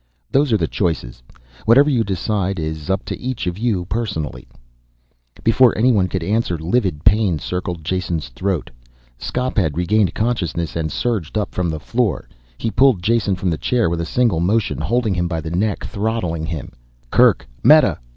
"Those are the choices. Whatever you decide is up to each of you personally." Before anyone could answer, livid pain circled Jason's throat. Skop had regained consciousness and surged up from the floor. He pulled Jason from the chair with a single motion, holding him by the neck, throttling him. "Kerk! Meta!"